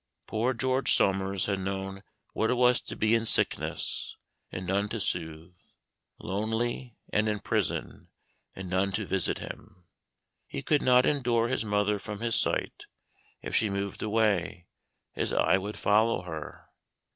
Poor George Somers had known what it was to be in sickness, and none to soothe lonely and in prison, and none to visit him. He could not endure his mother from his sight; if she moved away, his eye would follow her.